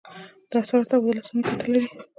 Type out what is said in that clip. د اسعارو تبادله څومره ګټه لري؟